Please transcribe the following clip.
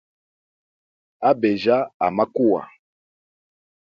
Abejya amakuwa.